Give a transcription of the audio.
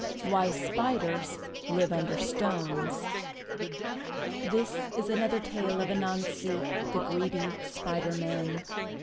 WHY SPIDERS LIVE UNDER STONES THIS is another tale of Anansi, the greedy Spider Man.